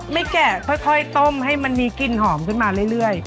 แกะค่อยต้มให้มันมีกลิ่นหอมขึ้นมาเรื่อย